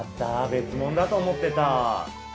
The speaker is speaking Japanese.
別もんだと思ってた。